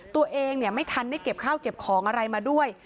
ตัวเองไม่ทันได้เก็บข้าวเก็บของอะไรมาด้วย